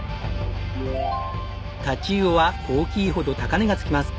太刀魚は大きいほど高値がつきます。